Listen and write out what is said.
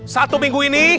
satu minggu ini